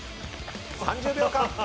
３０秒間。